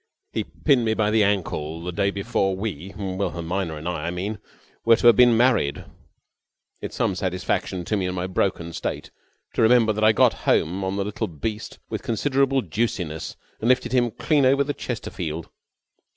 He pinned me by the ankle the day before we Wilhelmina and I, I mean were to have been married. It is some satisfaction to me in my broken state to remember that I got home on the little beast with considerable juiciness and lifted him clean over the Chesterfield."